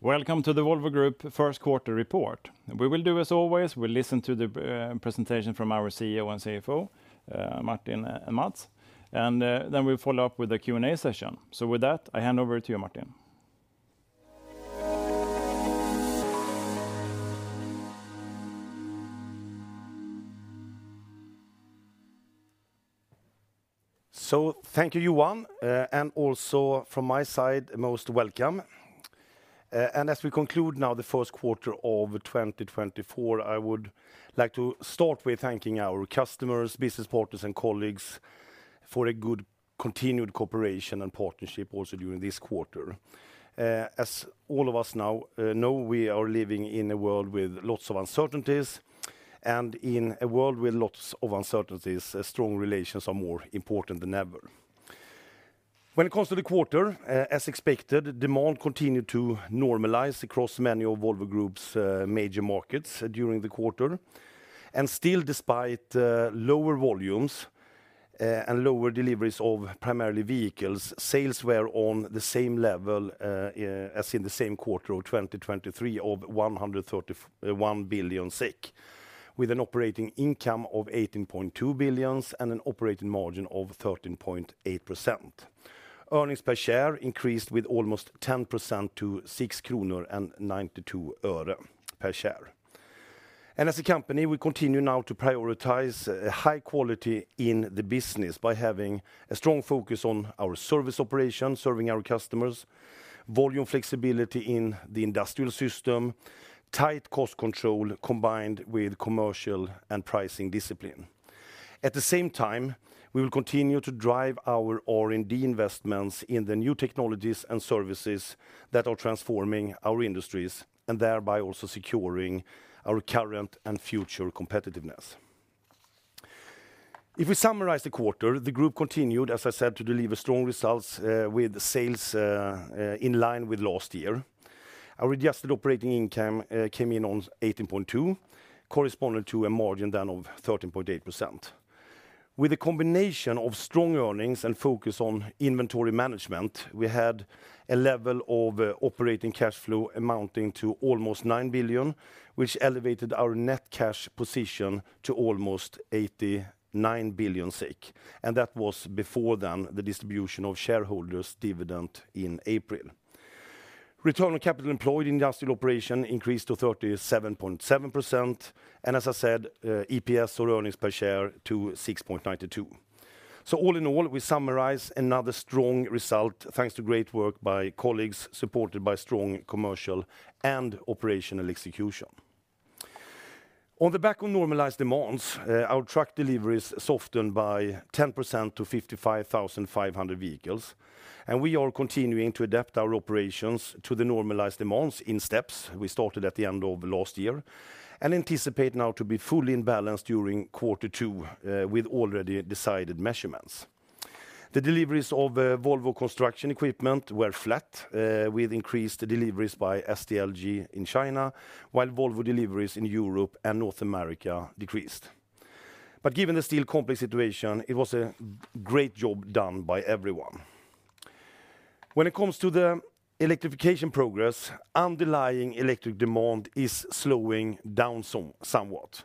Welcome to the Volvo Group first quarter report. We will do as always: we'll listen to the presentation from our CEO and CFO, Martin and Mats, and then we'll follow up with the Q&A session. With that, I hand over to you, Martin. So thank you, Johan, and also from my side, most welcome. As we conclude now the first quarter of 2024, I would like to start with thanking our customers, business partners, and colleagues for a good continued cooperation and partnership also during this quarter. As all of us now know, we are living in a world with lots of uncertainties, and in a world with lots of uncertainties, strong relations are more important than ever. When it comes to the quarter, as expected, demand continued to normalize across many of Volvo Group's major markets during the quarter. Still, despite lower volumes and lower deliveries of primarily vehicles, sales were on the same level as in the same quarter of 2023 of 131 billion SEK, with an operating income of 18.2 billion and an operating margin of 13.8%. Earnings per share increased with almost 10% to 6.92 kronor per share. As a company, we continue now to prioritize high quality in the business by having a strong focus on our service operation, serving our customers, volume flexibility in the industrial system, tight cost control combined with commercial and pricing discipline. At the same time, we will continue to drive our R&D investments in the new technologies and services that are transforming our industries and thereby also securing our current and future competitiveness. If we summarize the quarter, the group continued, as I said, to deliver strong results with sales in line with last year. Our adjusted operating income came in on 18.2, corresponding to a margin then of 13.8%. With a combination of strong earnings and focus on inventory management, we had a level of operating cash flow amounting to almost 9 billion, which elevated our net cash position to almost 89 billion. And that was before then the distribution of shareholders' dividend in April. Return on capital employed in industrial operation increased to 37.7%, and as I said, EPS or earnings per share to 6.92. So all in all, we summarize another strong result thanks to great work by colleagues supported by strong commercial and operational execution. On the back of normalized demands, our truck deliveries softened by 10% to 55,500 vehicles, and we are continuing to adapt our operations to the normalized demands in steps we started at the end of last year and anticipate now to be fully in balance during second quarter with already decided measurements. The deliveries of Volvo Construction Equipment were flat, with increased deliveries by SDLG in China while Volvo deliveries in Europe and North America decreased. But given the still complex situation, it was a great job done by everyone. When it comes to the electrification progress, underlying electric demand is slowing down somewhat.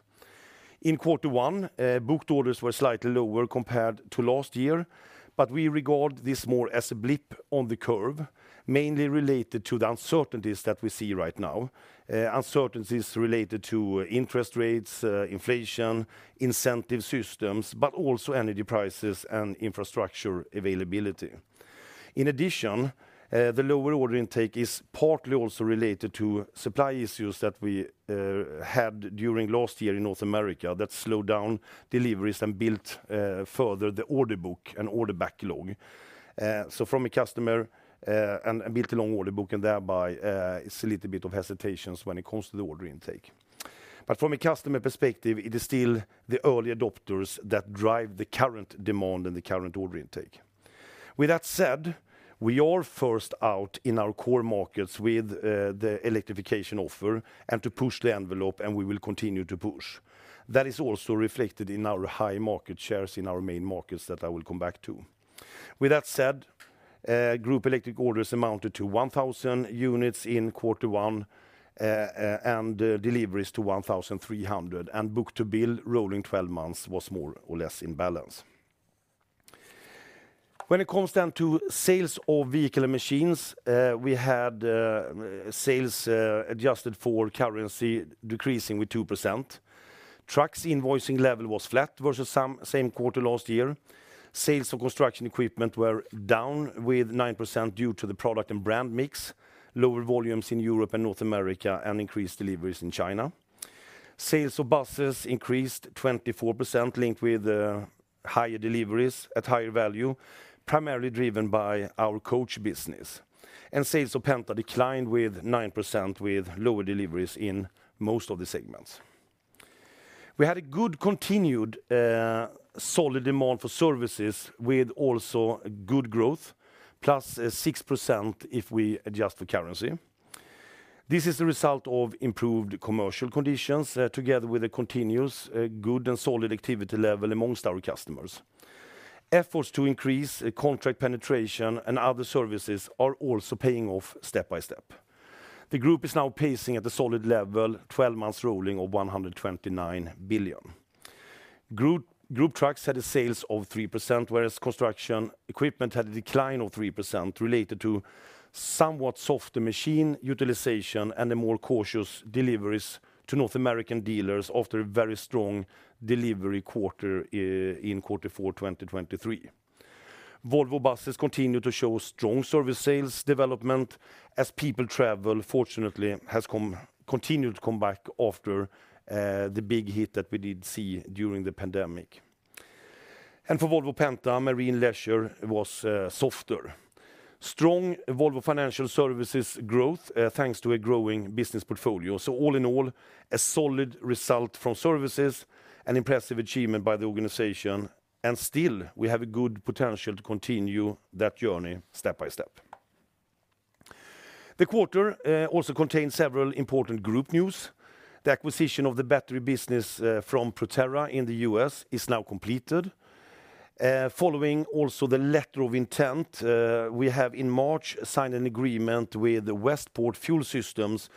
In first quarter, booked orders were slightly lower compared to last year, but we regard this more as a blip on the curve, mainly related to the uncertainties that we see right now: uncertainties related to interest rates, inflation, incentive systems, but also energy prices and infrastructure availability. In addition, the lower order intake is partly also related to supply issues that we had during last year in North America that slowed down deliveries and built further the order book and order backlog. So from a customer, a bit too long order book and thereby a little bit of hesitations when it comes to the order intake. But from a customer perspective, it is still the early adopters that drive the current demand and the current order intake. With that said, we are first out in our core markets with the electrification offer and to push the envelope, and we will continue to push. That is also reflected in our high market shares in our main markets that I will come back to. With that said, Group electric orders amounted to 1,000 units in first quarter and deliveries to 1,300, and book-to-bill rolling 12 months was more or less in balance. When it comes then to sales of vehicle and machines, we had sales adjusted for currency decreasing with 2%. Trucks' invoicing level was flat versus same quarter last year. Sales of construction equipment were down 9% due to the product and brand mix, lower volumes in Europe and North America, and increased deliveries in China. Sales of buses increased 24% linked with higher deliveries at higher value, primarily driven by our coach business. Sales of Penta declined 9% with lower deliveries in most of the segments. We had a good continued solid demand for services with also good growth, +6% if we adjust for currency. This is the result of improved commercial conditions together with a continuous good and solid activity level among our customers. Efforts to increase contract penetration and other services are also paying off step by step. The group is now pacing at a solid level, 12-month rolling of 129 billion. Volvo Group trucks had sales of 3%, whereas construction equipment had a decline of 3% related to somewhat softer machine utilization and the more cautious deliveries to North American dealers after a very strong delivery quarter in fourth quarter 2023. Volvo buses continue to show strong service sales development as people travel, fortunately, has continued to come back after the big hit that we did see during the pandemic. For Volvo Penta, marine leisure was softer. Strong Volvo Financial Services growth thanks to a growing business portfolio. So all in all, a solid result from services, an impressive achievement by the organization, and still, we have a good potential to continue that journey step by step. The quarter also contains several important Group news. The acquisition of the battery business from Proterra in the US is now completed. Following also the letter of intent, we have in March signed an agreement with Westport Fuel Systems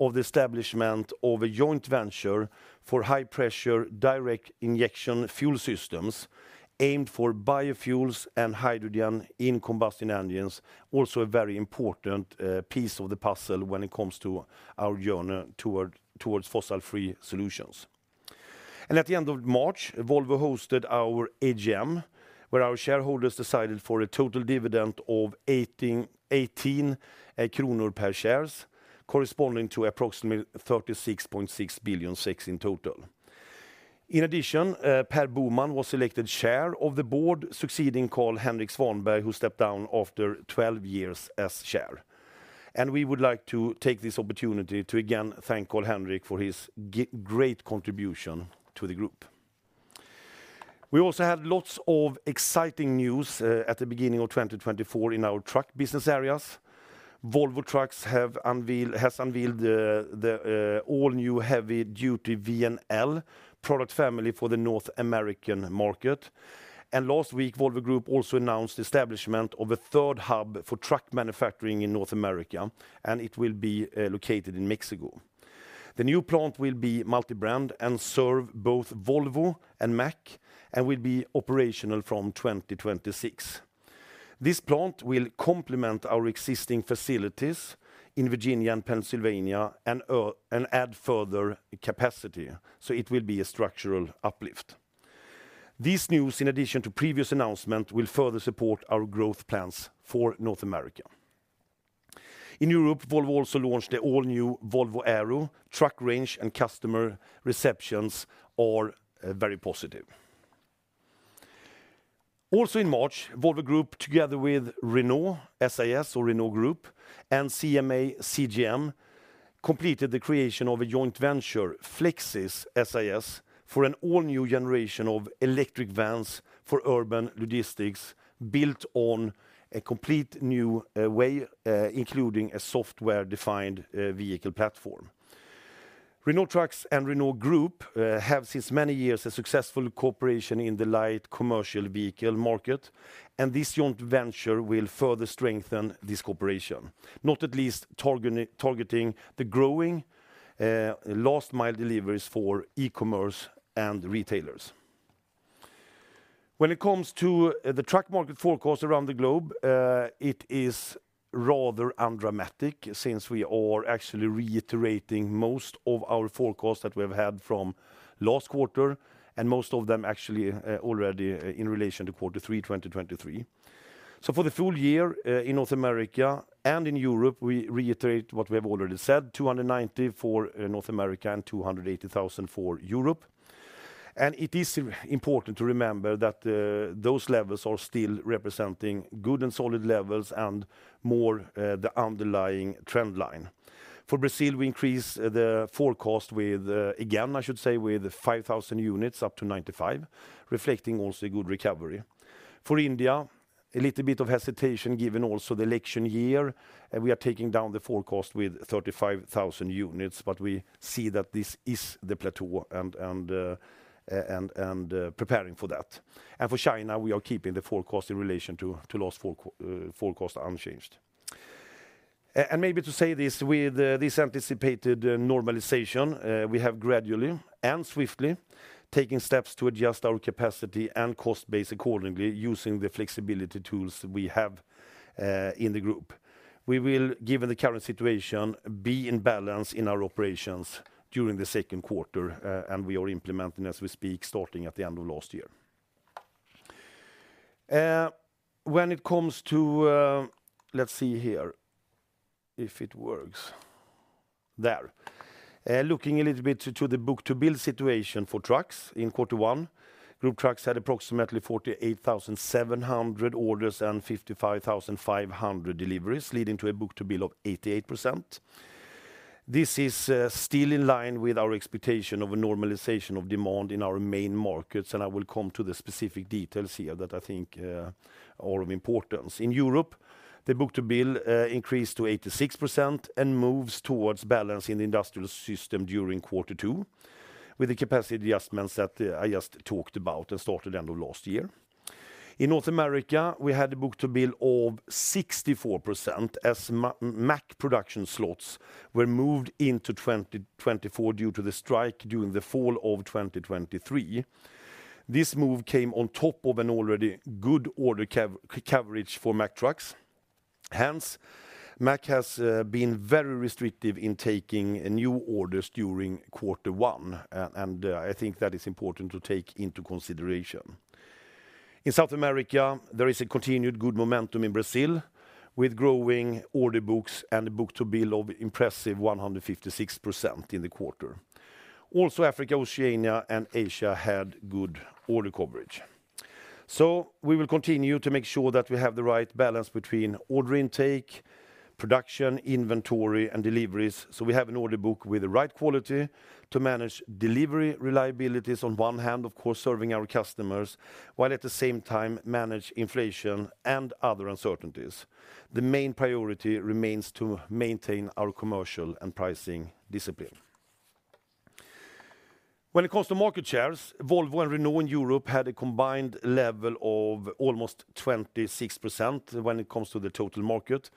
of the establishment of a joint venture for high-pressure direct injection fuel systems aimed for biofuels and hydrogen in combustion engines, also a very important piece of the puzzle when it comes to our journey towards fossil-free solutions. At the end of March, Volvo hosted our AGM, where our shareholders decided for a total dividend of 18 kronor per share, corresponding to approximately 36.6 billion SEK in total. In addition, Per Boman was elected chair of the board, succeeding Carl-Henric Svanberg, who stepped down after 12 years as chair. We would like to take this opportunity to again thank Carl-Henric for his great contribution to the group. We also had lots of exciting news at the beginning of 2024 in our truck business areas. Volvo Trucks has unveiled the all-new heavy-duty VNL product family for the North American market. Last week, Volvo Group also announced the establishment of a third hub for truck manufacturing in North America, and it will be located in Mexico. The new plant will be multi-brand and serve both Volvo and Mack, and will be operational from 2026. This plant will complement our existing facilities in Virginia and Pennsylvania and add further capacity. It will be a structural uplift. This news, in addition to previous announcements, will further support our growth plans for North America. In Europe, Volvo also launched the all-new Volvo Aero truck range and customer receptions are very positive. Also in March, Volvo Group, together with Renault SAS or Renault Group and CMA CGM, completed the creation of a joint venture, Flexis SAS, for an all-new generation of electric vans for urban logistics built on a completely new way, including a software-defined vehicle platform. Renault Trucks and Renault Group have since many years a successful cooperation in the light commercial vehicle market, and this joint venture will further strengthen this cooperation, not at least targeting the growing last-mile deliveries for e-commerce and retailers. When it comes to the truck market forecast around the globe, it is rather undramatic since we are actually reiterating most of our forecasts that we have had from last quarter, and most of them actually already in relation to third quarter 2023. So for the full year in North America and in Europe, we reiterate what we have already said: 290 for North America and 280,000 for Europe. It is important to remember that those levels are still representing good and solid levels and more the underlying trendline. For Brazil, we increased the forecast with, again, I should say, with 5,000 units up to 95, reflecting also a good recovery. For India, a little bit of hesitation given also the election year. We are taking down the forecast with 35,000 units, but we see that this is the plateau and preparing for that. For China, we are keeping the forecast in relation to last forecast unchanged. Maybe to say this, with this anticipated normalization, we have gradually and swiftly taken steps to adjust our capacity and cost base accordingly using the flexibility tools we have in the group. We will, given the current situation, be in balance in our operations during the second quarter, and we are implementing as we speak, starting at the end of last year. When it comes to, let's see here if it works. There. Looking a little bit to the book-to-bill situation for trucks in first quarter, Group Trucks had approximately 48,700 orders and 55,500 deliveries, leading to a book-to-bill of 88%. This is still in line with our expectation of a normalization of demand in our main markets, and I will come to the specific details here that I think are of importance. In Europe, the book-to-bill increased to 86% and moves towards balance in the industrial system during second quarter with the capacity adjustments that I just talked about and started end of last year. In North America, we had a book-to-bill of 64% as Mack production slots were moved into 2024 due to the strike during the fall of 2023. This move came on top of an already good order coverage for Mack Trucks. Hence, Mack has been very restrictive in taking new orders during first quarter, and I think that is important to take into consideration. In South America, there is a continued good momentum in Brazil with growing order books and a book-to-bill of impressive 156% in the quarter. Also, Africa, Oceania, and Asia had good order coverage. So we will continue to make sure that we have the right balance between order intake, production, inventory, and deliveries so we have an order book with the right quality to manage delivery reliabilities on one hand, of course, serving our customers, while at the same time manage inflation and other uncertainties. The main priority remains to maintain our commercial and pricing discipline. When it comes to market shares, Volvo and Renault in Europe had a combined level of almost 26% when it comes to the total market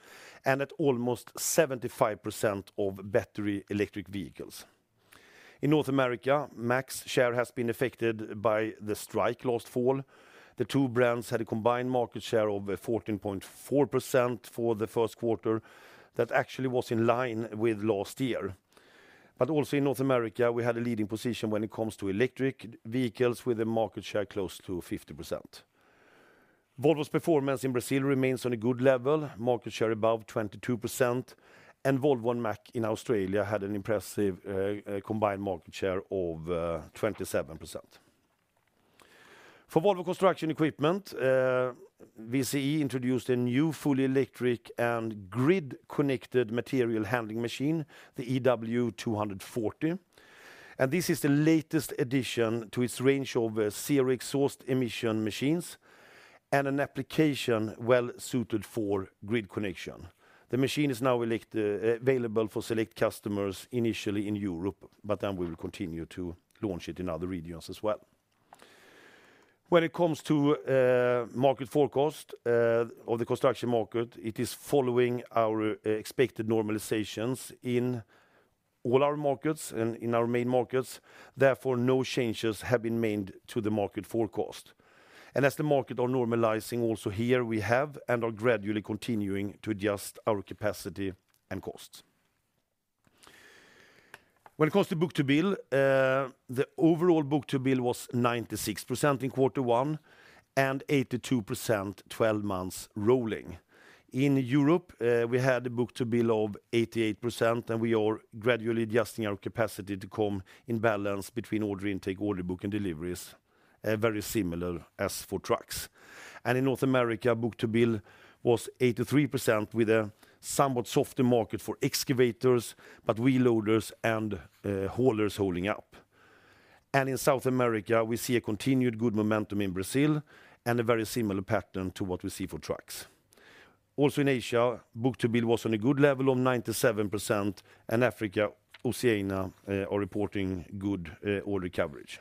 and at almost 75% of battery electric vehicles. In North America, Mack's share has been affected by the strike last fall. The two brands had a combined market share of 14.4% for the first quarter that actually was in line with last year. But also in North America, we had a leading position when it comes to electric vehicles with a market share close to 50%. Volvo's performance in Brazil remains on a good level, market share above 22%, and Volvo and Mack in Australia had an impressive combined market share of 27%. For Volvo Construction Equipment, VCE introduced a new fully electric and grid-connected material handling machine, the EW240. This is the latest addition to its range of zero exhaust emission machines and an application well-suited for grid connection. The machine is now available for select customers initially in Europe, but then we will continue to launch it in other regions as well. When it comes to market forecast of the construction market, it is following our expected normalizations in all our markets and in our main markets. Therefore, no changes have been made to the market forecast. As the markets are normalizing also here, we have and are gradually continuing to adjust our capacity and costs. When it comes to Book-to-Bill, the overall Book-to-Bill was 96% in first quarter and 82% 12 months rolling. In Europe, we had a Book-to-Bill of 88%, and we are gradually adjusting our capacity to come in balance between order intake, order book, and deliveries, very similar as for trucks. In North America, Book-to-Bill was 83% with a somewhat softer market for excavators, but wheel loaders and haulers holding up. In South America, we see a continued good momentum in Brazil and a very similar pattern to what we see for trucks. Also in Asia, Book-to-Bill was on a good level of 97%, and Africa, Oceania are reporting good order coverage.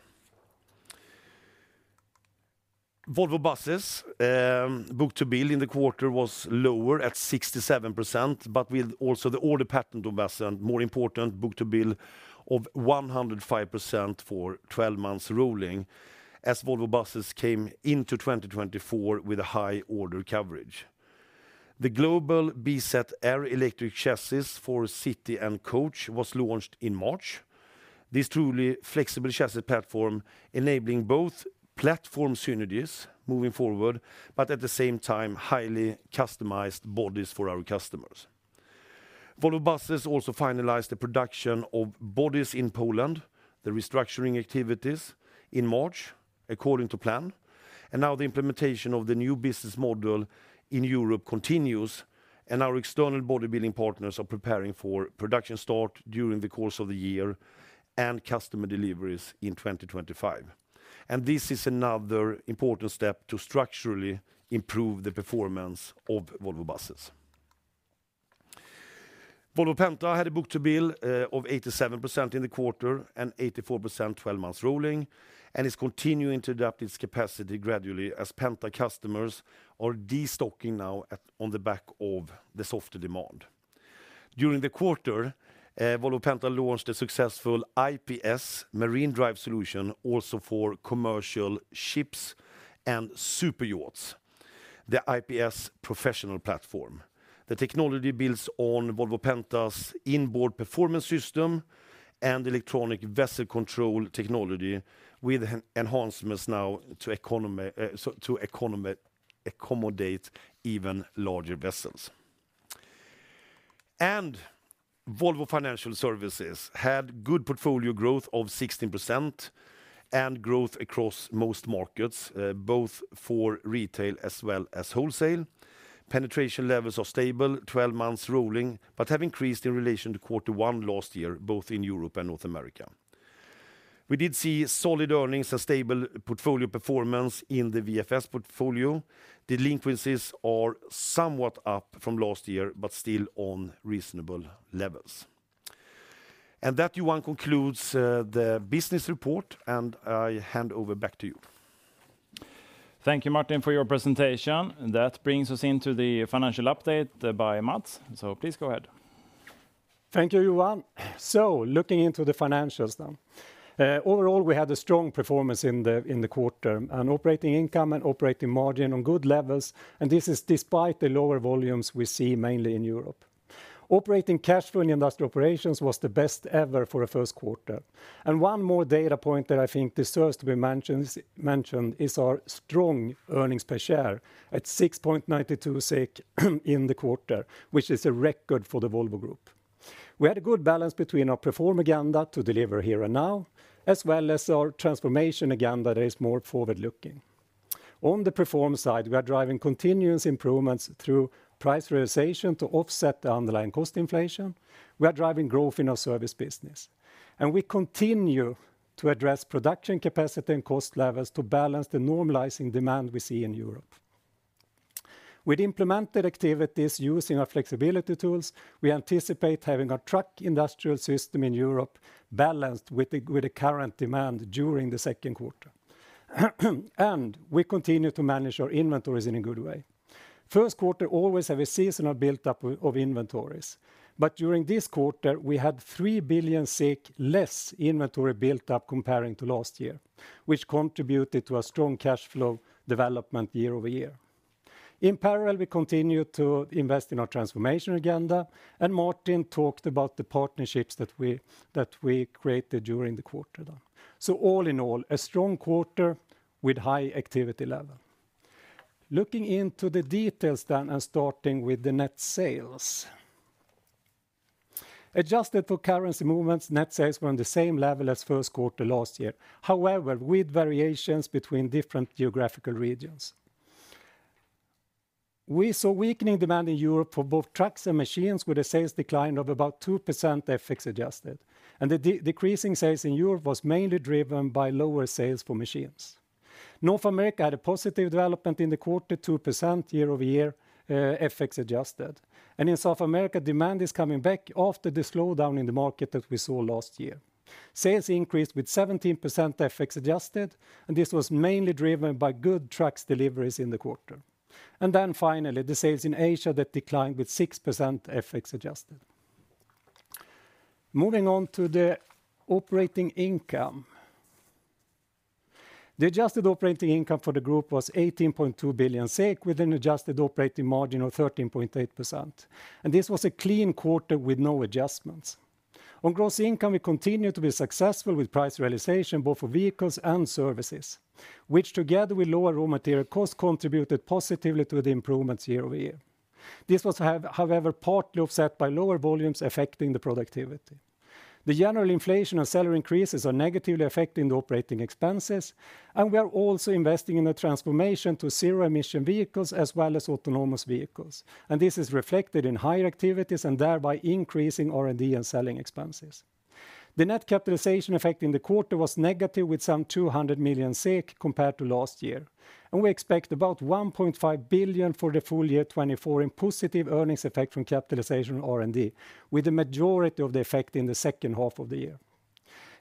Volvo Buses' Book-to-Bill in the quarter was lower at 67%, but with also the order pattern to be more important, Book-to-Bill of 105% for 12 months rolling as Volvo Buses came into 2024 with a high order coverage. The global BZR electric chassis for city and coach was launched in March. This truly flexible chassis platform enabling both platform synergies moving forward, but at the same time, highly customized bodies for our customers. Volvo Buses also finalized the production of bodies in Poland, the restructuring activities in March according to plan. Now the implementation of the new business model in Europe continues, and our external bodybuilding partners are preparing for production start during the course of the year and customer deliveries in 2025. This is another important step to structurally improve the performance of Volvo Buses. Volvo Penta had a Book-to-Bill of 87% in the quarter and 84% 12 months rolling and is continuing to adapt its capacity gradually as Penta customers are destocking now on the back of the softer demand. During the quarter, Volvo Penta launched a successful IPS marine drive solution also for commercial ships and superyachts, the IPS Professional Platform. The technology builds on Volvo Penta's inboard performance system and electronic vessel control technology with enhancements now to accommodate even larger vessels. Volvo Financial Services had good portfolio growth of 16% and growth across most markets, both for retail as well as wholesale. Penetration levels are stable, 12 months rolling, but have increased in relation to first quarter last year, both in Europe and North America. We did see solid earnings and stable portfolio performance in the VFS portfolio. Delinquencies are somewhat up from last year, but still on reasonable levels. That, Johan, concludes the business report, and I hand over back to you. Thank you, Martin, for your presentation. That brings us into the financial update by Mats. Please go ahead. Thank you, Johan. So looking into the financials now, overall, we had a strong performance in the quarter and operating income and operating margin on good levels. And this is despite the lower volumes we see mainly in Europe. Operating cash flow in the industrial operations was the best ever for the first quarter. And one more data point that I think deserves to be mentioned is our strong earnings per share at 6.92 SEK in the quarter, which is a record for the Volvo Group. We had a good balance between our perform agenda to deliver here and now as well as our transformation agenda that is more forward-looking. On the perform side, we are driving continuous improvements through price realization to offset the underlying cost inflation. We are driving growth in our service business, and we continue to address production capacity and cost levels to balance the normalizing demand we see in Europe. With implemented activities using our flexibility tools, we anticipate having our truck industrial system in Europe balanced with the current demand during the second quarter. We continue to manage our inventories in a good way. First quarter always have a seasonal buildup of inventories, but during this quarter, we had 3 billion less inventory buildup comparing to last year, which contributed to a strong cash flow development year-over-year. In parallel, we continue to invest in our transformation agenda, and Martin talked about the partnerships that we created during the quarter then. All in all, a strong quarter with high activity level. Looking into the details then and starting with the net sales. Adjusted for currency movements, net sales were on the same level as first quarter last year, however, with variations between different geographical regions. We saw weakening demand in Europe for both trucks and machines with a sales decline of about 2% FX adjusted. The decreasing sales in Europe was mainly driven by lower sales for machines. North America had a positive development in the quarter, 2% year-over-year FX adjusted. In South America, demand is coming back after the slowdown in the market that we saw last year. Sales increased with 17% FX adjusted, and this was mainly driven by good trucks deliveries in the quarter. Then finally, the sales in Asia that declined with 6% FX adjusted. Moving on to the operating income. The adjusted operating income for the group was 18.2 billion SEK with an adjusted operating margin of 13.8%. This was a clean quarter with no adjustments. On gross income, we continue to be successful with price realization both for vehicles and services, which together with lower raw material costs contributed positively to the improvements year-over-year. This was, however, partly offset by lower volumes affecting the productivity. The general inflation and salary increases are negatively affecting the operating expenses, and we are also investing in a transformation to zero-emission vehicles as well as autonomous vehicles. This is reflected in higher activities and thereby increasing R&D and selling expenses. The net capitalization effect in the quarter was negative with some 200 million compared to last year, and we expect about 1.5 billion for the full year 2024 in positive earnings effect from capitalization on R&D, with the majority of the effect in the second half of the year.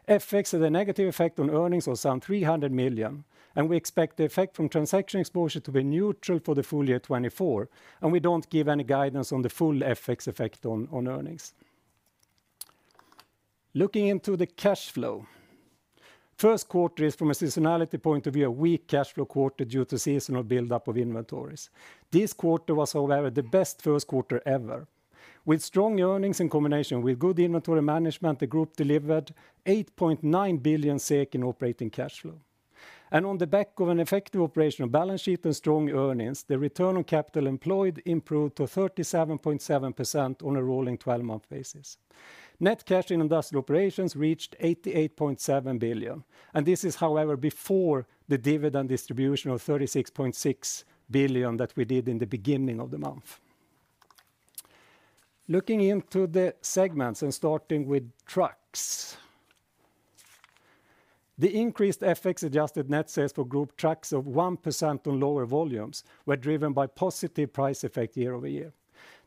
FX had a negative effect on earnings of some 300 million, and we expect the effect from transaction exposure to be neutral for the full year 2024, and we don't give any guidance on the full FX effect on earnings. Looking into the cash flow. First quarter is, from a seasonality point of view, a weak cash flow quarter due to seasonal buildup of inventories. This quarter was, however, the best first quarter ever. With strong earnings in combination with good inventory management, the group delivered 8.9 billion SEK in operating cash flow. And on the back of an effective operational balance sheet and strong earnings, the return on capital employed improved to 37.7% on a rolling 12-month basis. Net cash in industrial operations reached 88.7 billion. And this is, however, before the dividend distribution of 36.6 billion that we did in the beginning of the month. Looking into the segments and starting with trucks. The increased FX adjusted net sales for group trucks of 1% on lower volumes were driven by positive price effect year-over-year.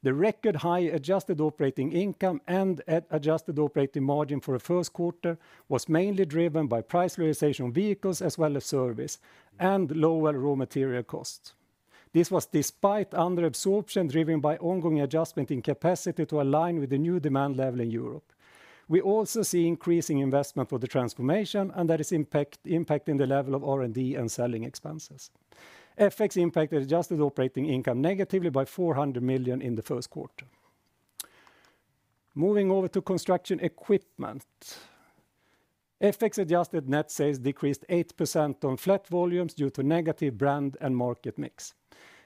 The record high adjusted operating income and adjusted operating margin for the first quarter was mainly driven by price realization on vehicles as well as service and lower raw material costs. This was despite underabsorption driven by ongoing adjustment in capacity to align with the new demand level in Europe. We also see increasing investment for the transformation and that is impacting the level of R&D and selling expenses. FX impacted adjusted operating income negatively by 400 million in the first quarter. Moving over to construction equipment. FX adjusted net sales decreased 8% on flat volumes due to negative brand and market mix.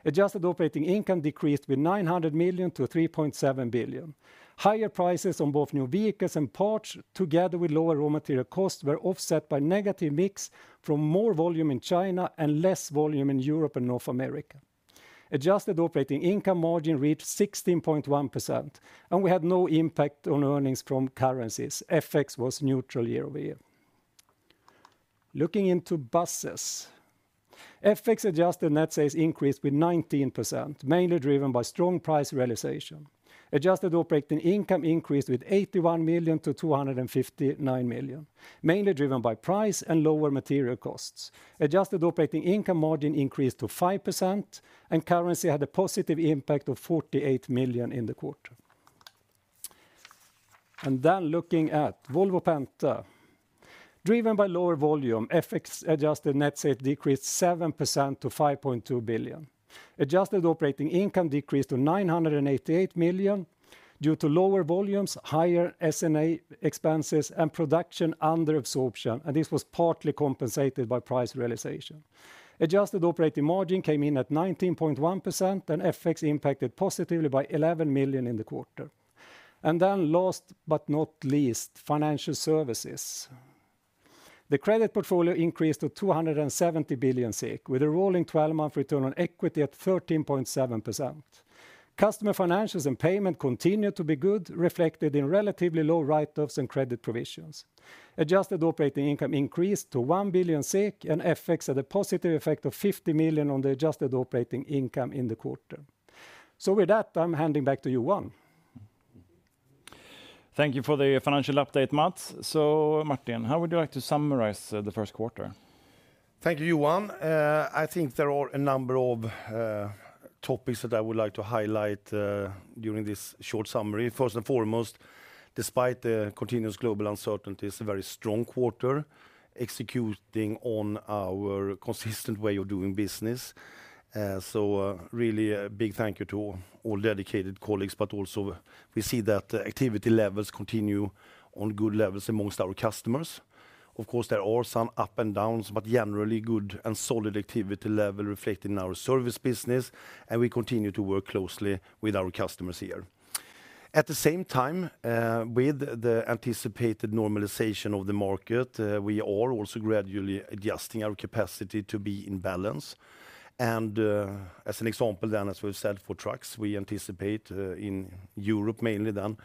Adjusted operating income decreased with 900 million to 3.7 billion. Higher prices on both new vehicles and parts together with lower raw material costs were offset by negative mix from more volume in China and less volume in Europe and North America. Adjusted operating income margin reached 16.1%, and we had no impact on earnings from currencies. FX was neutral year-over-year. Looking into buses. FX adjusted net sales increased with 19%, mainly driven by strong price realization. Adjusted operating income increased with 81 million to 259 million, mainly driven by price and lower material costs. Adjusted operating income margin increased to 5%, and currency had a positive impact of 48 million in the quarter. Then looking at Volvo Penta. Driven by lower volume, FX adjusted net sales decreased 7% to 5.2 billion. Adjusted operating income decreased to 988 million due to lower volumes, higher S&A expenses, and production underabsorption. This was partly compensated by price realization. Adjusted operating margin came in at 19.1%, and FX impacted positively by 11 million in the quarter. Then last but not least, financial services. The credit portfolio increased to 270 billion with a rolling 12-month return on equity at 13.7%. Customer financials and payment continued to be good, reflected in relatively low write-offs and credit provisions. Adjusted operating income increased to 1 billion SEK, and FX had a positive effect of 50 million on the adjusted operating income in the quarter. So with that, I'm handing back to Johan. Thank you for the financial update, Mats. So Martin, how would you like to summarize the first quarter? Thank you, Johan. I think there are a number of topics that I would like to highlight during this short summary. First and foremost, despite the continuous global uncertainty, it's a very strong quarter executing on our consistent way of doing business. So really a big thank you to all dedicated colleagues, but also we see that activity levels continue on good levels amongst our customers. Of course, there are some up and downs, but generally good and solid activity level reflected in our service business, and we continue to work closely with our customers here. At the same time, with the anticipated normalization of the market, we are also gradually adjusting our capacity to be in balance. And as an example then, as we've said for trucks, we anticipate in Europe mainly then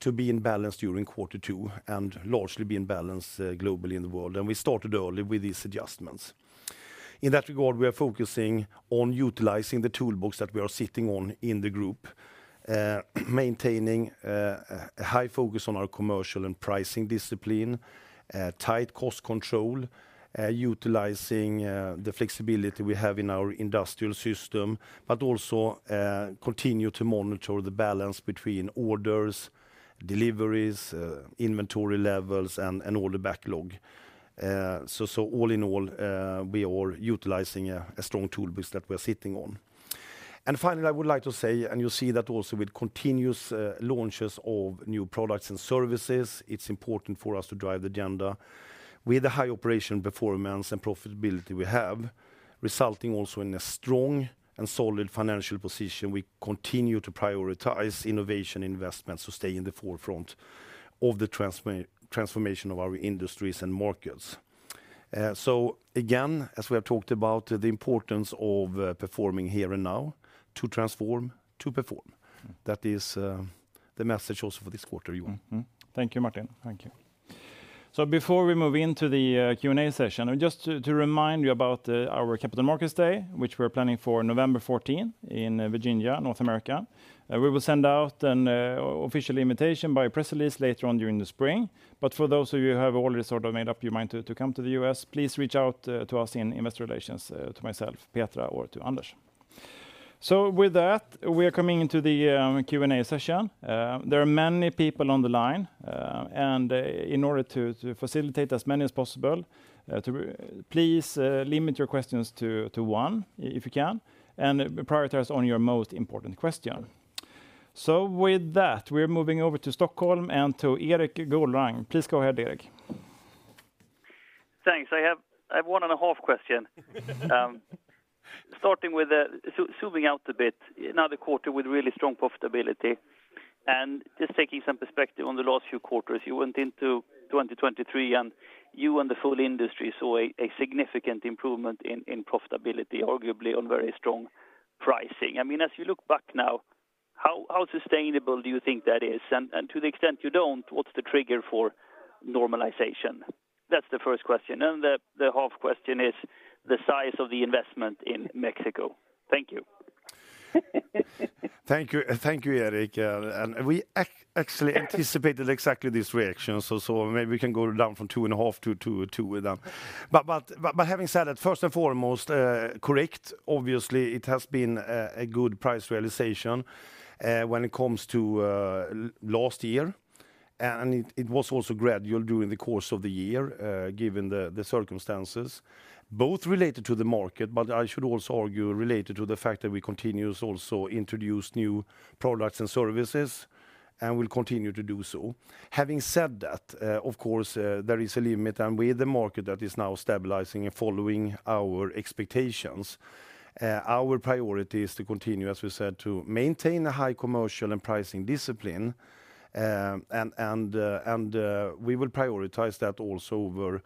to be in balance during second quarter and largely be in balance globally in the world. We started early with these adjustments. In that regard, we are focusing on utilizing the toolbox that we are sitting on in the group, maintaining a high focus on our commercial and pricing discipline, tight cost control, utilizing the flexibility we have in our industrial system, but also continue to monitor the balance between orders, deliveries, inventory levels, and all the backlog. All in all, we are utilizing a strong toolbox that we are sitting on. Finally, I would like to say, and you'll see that also with continuous launches of new products and services, it's important for us to drive the agenda with the high operation performance and profitability we have, resulting also in a strong and solid financial position. We continue to prioritize innovation investments to stay in the forefront of the transformation of our industries and markets. So again, as we have talked about the importance of performing here and now, to transform, to perform. That is the message also for this quarter, Johan. Thank you, Martin. Thank you. So before we move into the Q&A session, just to remind you about our Capital Markets Day, which we are planning for 14 November 2024 in Virginia, North America. We will send out an official invitation by press release later on during the spring. But for those of you who have already sort of made up your mind to come to the US, please reach out to us in investor relations, to myself, Petra, or to Anders. So with that, we are coming into the Q&A session. There are many people on the line, and in order to facilitate as many as possible, please limit your questions to one if you can and prioritize on your most important question. So with that, we are moving over to Stockholm and to Erik Golrang. Please go ahead, Erik. Thanks. I have one and a half questions. Starting with zooming out a bit, another quarter with really strong profitability and just taking some perspective on the last few quarters. You went into 2023, and you and the full industry saw a significant improvement in profitability, arguably on very strong pricing. I mean, as you look back now, how sustainable do you think that is? And to the extent you don't, what's the trigger for normalization? That's the first question. And the half question is the size of the investment in Mexico. Thank you. Thank you, Erik. We actually anticipated exactly this reaction. Maybe we can go down from 2.5 to 2 with them. But having said that, first and foremost, correct, obviously, it has been a good price realization when it comes to last year. And it was also gradual during the course of the year given the circumstances, both related to the market, but I should also argue related to the fact that we continuously also introduced new products and services and will continue to do so. Having said that, of course, there is a limit, and with the market that is now stabilizing and following our expectations, our priority is to continue, as we said, to maintain a high commercial and pricing discipline. We will prioritize that also over,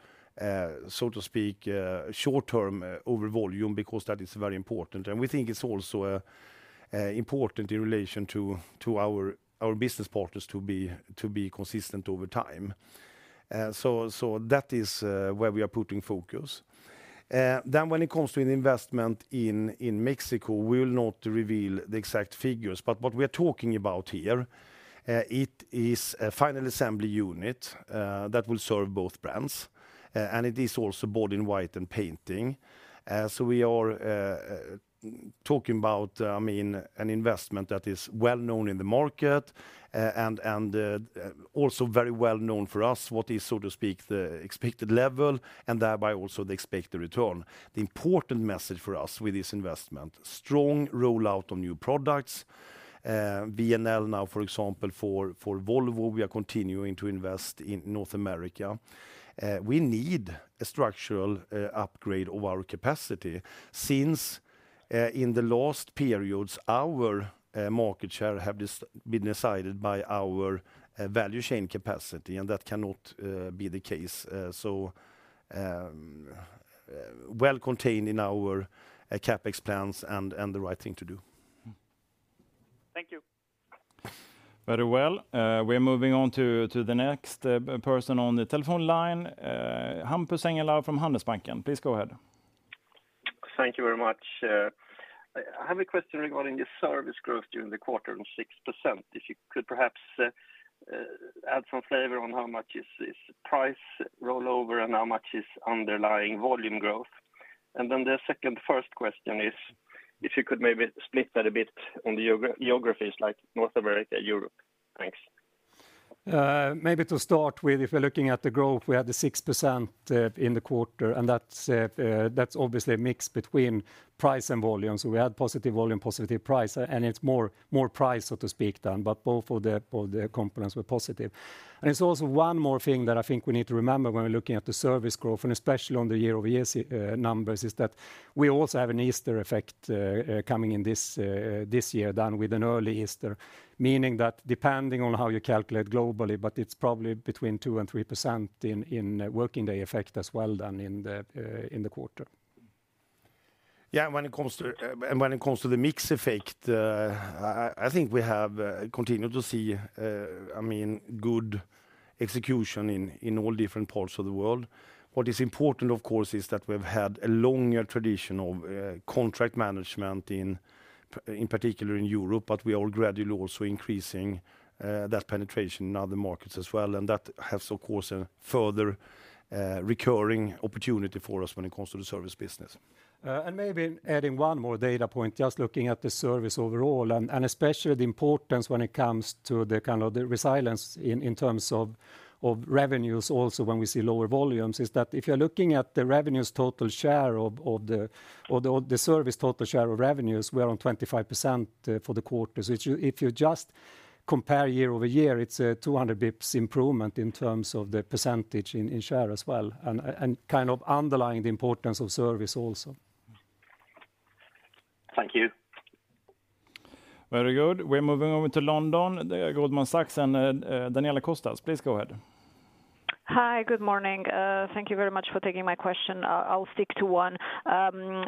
so to speak, short-term over volume because that is very important. We think it's also important in relation to our business partners to be consistent over time. That is where we are putting focus. When it comes to an investment in Mexico, we will not reveal the exact figures. But what we are talking about here, it is a final assembly unit that will serve both brands. And it is also body in white and painting. So we are talking about, I mean, an investment that is well known in the market and also very well known for us what is, so to speak, the expected level and thereby also the expected return. The important message for us with this investment, strong rollout of new products. VNL now, for example, for Volvo, we are continuing to invest in North America. We need a structural upgrade of our capacity since in the last periods, our market share has been decided by our value chain capacity, and that cannot be the case. So well contained in our CapEx plans and the right thing to do. Thank you. Very well. We are moving on to the next person on the telephone line, Hampus Engellau from Handelsbanken. Please go ahead. Thank you very much. I have a question regarding the service growth during the quarter of 6%, if you could perhaps add some flavor on how much is price rollover and how much is underlying volume growth. And then the second first question is if you could maybe split that a bit on the geographies like North America and Europe. Thanks. Maybe to start with, if we're looking at the growth, we had the 6% in the quarter, and that's obviously a mix between price and volume. So we had positive volume, positive price, and it's more price, so to speak, then, but both of the components were positive. And it's also one more thing that I think we need to remember when we're looking at the service growth, and especially on the year-over-year numbers, is that we also have an Easter effect coming in this year then with an early Easter, meaning that depending on how you calculate globally, but it's probably between 2% to 3% in working day effect as well then in the quarter. Yeah, and when it comes to the mix effect, I think we have continued to see, I mean, good execution in all different parts of the world. What is important, of course, is that we have had a longer tradition of contract management, in particular in Europe, but we are all gradually also increasing that penetration in other markets as well. And that has, of course, a further recurring opportunity for us when it comes to the service business. Maybe adding one more data point, just looking at the service overall and especially the importance when it comes to the kind of the resilience in terms of revenues also when we see lower volumes, is that if you're looking at the revenues total share of the service total share of revenues, we are on 25% for the quarter. So if you just compare year-over-year, it's a 200 basis points improvement in terms of the percentage in share as well and kind of underlying the importance of service also. Thank you. Very good. We're moving over to London. There you go, Goldman Sachs and Daniela Costa. Please go ahead. Hi, good morning. Thank you very much for taking my question. I'll stick to one.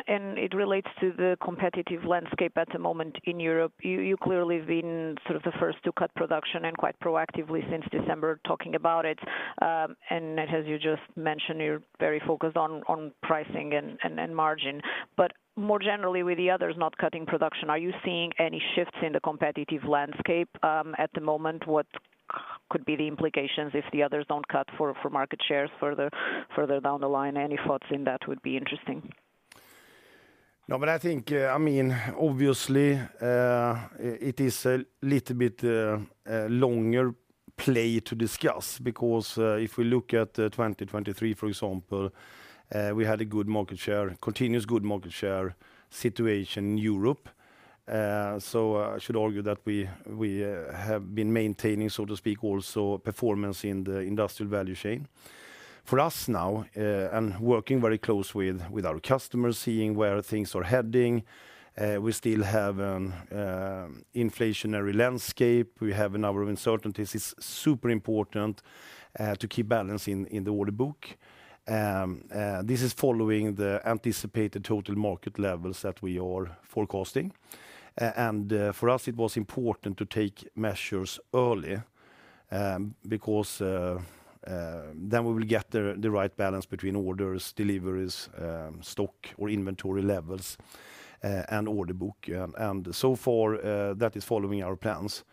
It relates to the competitive landscape at the moment in Europe. You clearly have been sort of the first to cut production and quite proactively since December talking about it. As you just mentioned, you're very focused on pricing and margin. But more generally, with the others not cutting production, are you seeing any shifts in the competitive landscape at the moment? What could be the implications if the others don't cut for market shares further down the line? Any thoughts on that would be interesting. No, but I think, I mean, obviously, it is a little bit longer play to discuss because if we look at 2023, for example, we had a good market share, continuous good market share situation in Europe. So I should argue that we have been maintaining, so to speak, also performance in the industrial value chain. For us now and working very close with our customers, seeing where things are heading, we still have an inflationary landscape. We have a host of uncertainties. It's super important to keep balance in the order book. This is following the anticipated total market levels that we are forecasting. And for us, it was important to take measures early because then we will get the right balance between orders, deliveries, stock, or inventory levels and order book. And so far, that is following our plans.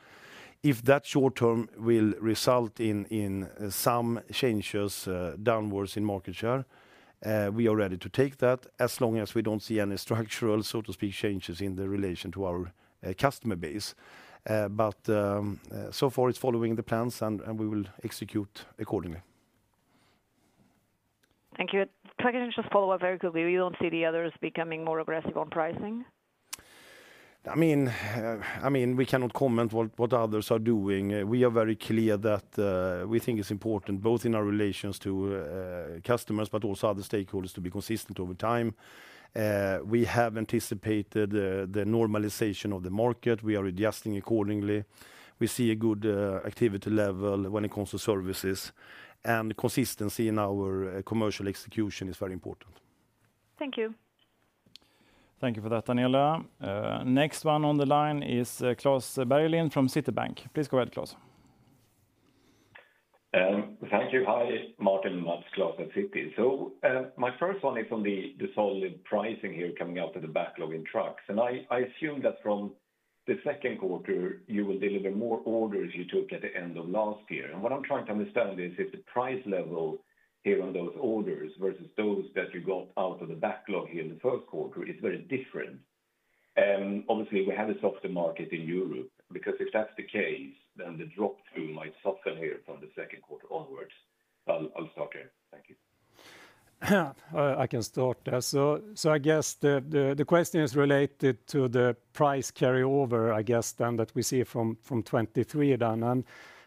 If that short term will result in some changes downwards in market share, we are ready to take that as long as we don't see any structural, so to speak, changes in the relation to our customer base. But so far, it's following the plans, and we will execute accordingly. Thank you. Can you just follow up very quickly? We don't see the others becoming more aggressive on pricing. I mean, we cannot comment what others are doing. We are very clear that we think it's important both in our relations to customers, but also other stakeholders to be consistent over time. We have anticipated the normalization of the market. We are adjusting accordingly. We see a good activity level when it comes to services. Consistency in our commercial execution is very important. Thank you. Thank you for that, Daniela. Next one on the line is Klas Bergelind from Citibank. Please go ahead, Klas. Thank you. Hi, Martin, Mats. Klas at Citi. So my first one is on the solid pricing here coming out of the backlog in trucks. And I assume that from the second quarter, you will deliver more orders you took at the end of last year. And what I'm trying to understand is if the price level here on those orders versus those that you got out of the backlog here in the first quarter is very different. Obviously, we have a softer market in Europe because if that's the case, then the dropthrough might soften here from the second quarter onwards. I'll start there. Thank you. I can start there. I guess the question is related to the price carryover, I guess, then that we see from 2023 then.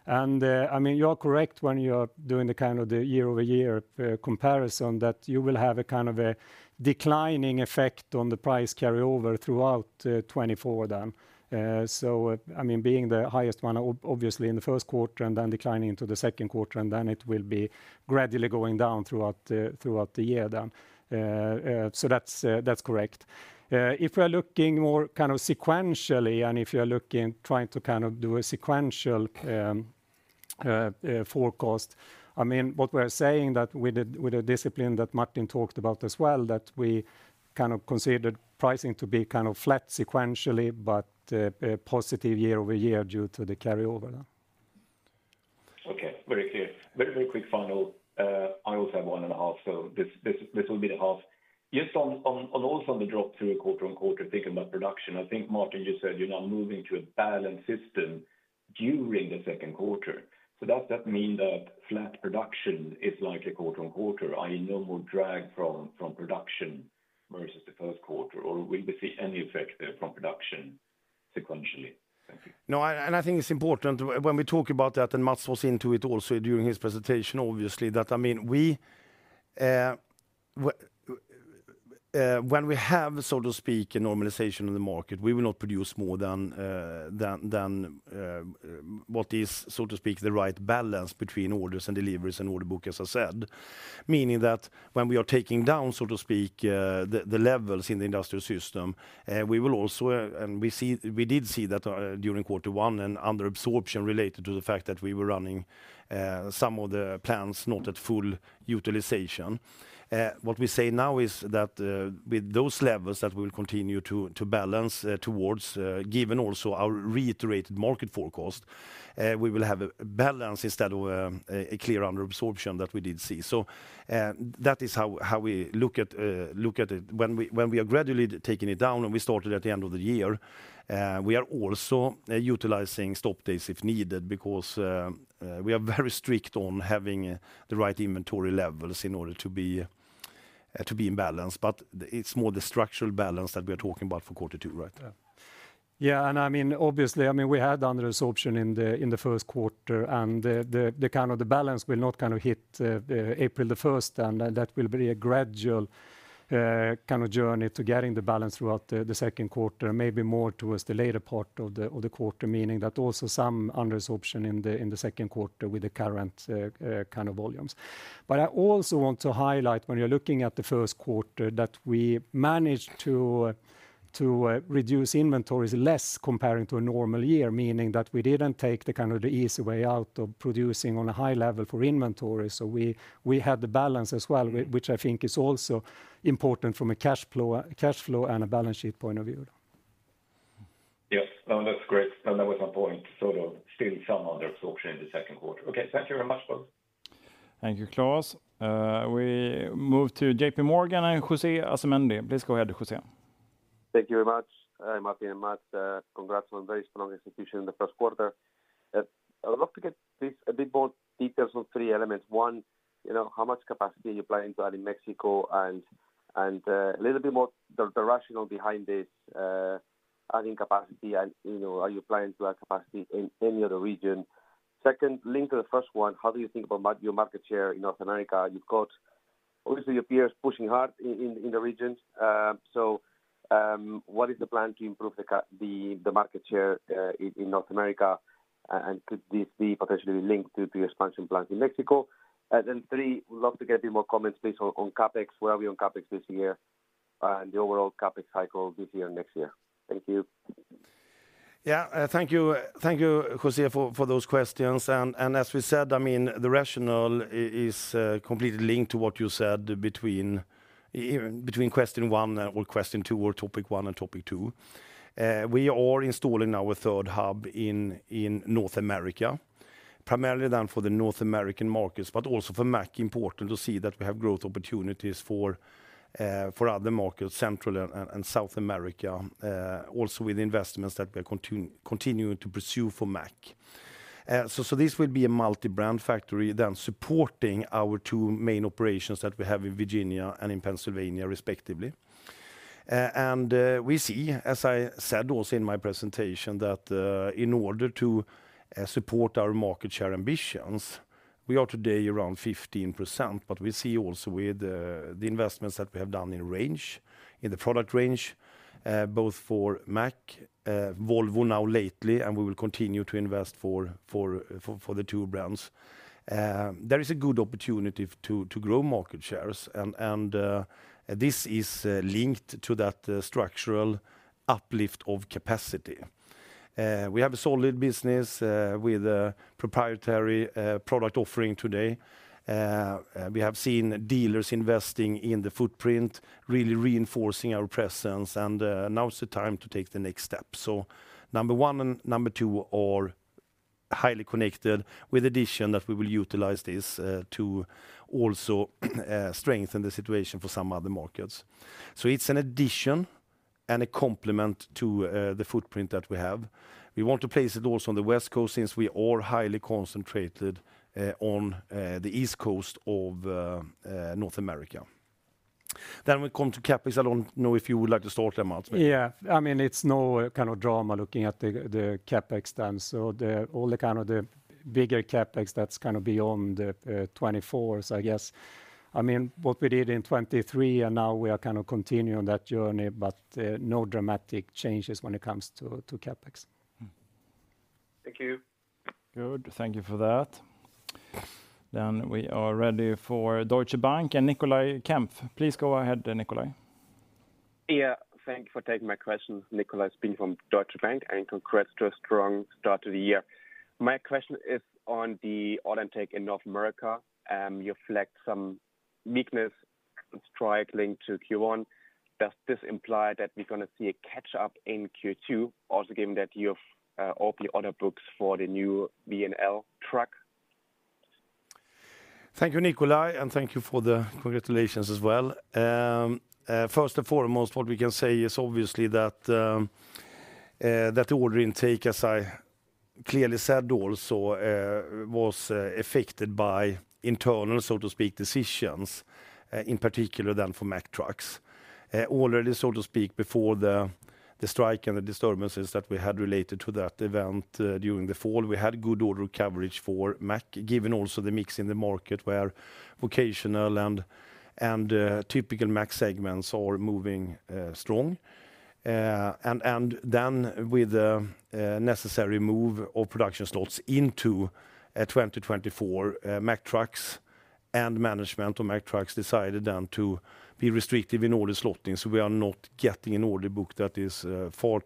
I mean, you are correct when you are doing the kind of the year-over-year comparison that you will have a kind of a declining effect on the price carryover throughout 2024 then. I mean, being the highest one, obviously, in the first quarter and then declining into the second quarter, and then it will be gradually going down throughout the year then. That's correct. If we are looking more kind of sequentially and if you are looking, trying to kind of do a sequential forecast, I mean, what we are saying that with the discipline that Martin talked about as well, that we kind of considered pricing to be kind of flat sequentially, but positive year over year due to the carryover then. Okay, very clear. Very, very quick final. I also have one and a half, so this will be the half. Just also on the drop-through quarter-on-quarter, thinking about production, I think, Martin, you said you're now moving to a balanced system during the second quarter. So does that mean that flat production is likely quarter-on-quarter, i.e., no more drag from production versus the first quarter, or will we see any effect there from production sequentially? Thank you. No, and I think it's important when we talk about that and Mats was into it also during his presentation, obviously, that I mean, when we have, so to speak, a normalization of the market, we will not produce more than what is, so to speak, the right balance between orders and deliveries and order books, as I said, meaning that when we are taking down, so to speak, the levels in the industrial system, we will also and we did see that during first quarter an underabsorption related to the fact that we were running some of the plants, not at full utilization. What we say now is that with those levels that we will continue to balance towards, given also our reiterated market forecast, we will have a balance instead of a clear underabsorption that we did see. So that is how we look at it. When we are gradually taking it down and we started at the end of the year, we are also utilizing stop days if needed because we are very strict on having the right inventory levels in order to be in balance. But it's more the structural balance that we are talking about for second quarter, right? Yeah, and I mean, obviously, I mean, we had underabsorption in the first quarter, and the kind of the balance will not kind of hit 1 April 2024. And that will be a gradual kind of journey to getting the balance throughout the second quarter, maybe more towards the later part of the quarter, meaning that also some underabsorption in the second quarter with the current kind of volumes. But I also want to highlight when you're looking at the first quarter that we managed to reduce inventories less comparing to a normal year, meaning that we didn't take the kind of the easy way out of producing on a high level for inventories. So we had the balance as well, which I think is also important from a cash flow and a balance sheet point of view. Yep, that's great. That was my point, sort of still some underabsorption in the second quarter. Okay, thank you very much, both. Thank you, Klas. We move to JPMorgan and José Asumendi. Please go ahead, José. Thank you very much. Martin and Mats, congrats on very strong execution in the first quarter. I would love to get a bit more details on three elements. One, how much capacity are you planning to add in Mexico and a little bit more the rationale behind this adding capacity, and are you planning to add capacity in any other region? Second, linked to the first one, how do you think about your market share in North America? You've got, obviously, your peers pushing hard in the regions. So what is the plan to improve the market share in North America? And could this be potentially linked to your expansion plans in Mexico? And then, three, we'd love to get a bit more comments, please, on CapEx. Where are we on CapEx this year and the overall CapEx cycle this year and next year? Thank you. Yeah, thank you, José, for those questions. As we said, I mean, the rationale is completely linked to what you said between question one or question two or topic one and topic two. We are installing our third hub in North America, primarily then for the North American markets, but also for Mack, important to see that we have growth opportunities for other markets, Central and South America, also with investments that we are continuing to pursue for Mack. This will be a multi-brand factory then supporting our two main operations that we have in Virginia and in Pennsylvania, respectively. We see, as I said also in my presentation, that in order to support our market share ambitions, we are today around 15%, but we see also with the investments that we have done in range, in the product range, both for Mack, Volvo now lately, and we will continue to invest for the two brands, there is a good opportunity to grow market shares. This is linked to that structural uplift of capacity. We have a solid business with a proprietary product offering today. We have seen dealers investing in the footprint, really reinforcing our presence. Now's the time to take the next step. Number one and number two are highly connected with the addition that we will utilize this to also strengthen the situation for some other markets. It's an addition and a complement to the footprint that we have. We want to place it also on the West Coast since we are highly concentrated on the East Coast of North America. Then when it comes to CapEx, I don't know if you would like to start there, Mats? Yeah, I mean, it's no kind of drama looking at the CapEx then. So all the kind of the bigger CapEx that's kind of beyond 2024, I guess. I mean, what we did in 2023, and now we are kind of continuing on that journey, but no dramatic changes when it comes to CapEx. Thank you. Good. Thank you for that. Then we are ready for Deutsche Bank and Nicolai Kempf. Please go ahead, Nicolai. Yeah, thank you for taking my question, Nicolai, speaking from Deutsche Bank, and congrats to a strong start to the year. My question is on the order intake in North America. You flagged some weakness and strike linked to first quarter. Does this imply that we're going to see a catch-up in second quarter, also given that you have opened order books for the new VNL truck? Thank you, Nikolai, and thank you for the congratulations as well. First and foremost, what we can say is obviously that the order intake, as I clearly said also, was affected by internal, so to speak, decisions, in particular then for Mack Trucks. Already, so to speak, before the strike and the disturbances that we had related to that event during the fall, we had good order coverage for Mack Trucks, given also the mix in the market where vocational and typical Mack segments are moving strong. And then with the necessary move of production slots into 2024, Mack Trucks and management of Mack Trucks decided then to be restrictive in order slotting. So we are not getting an order book that is far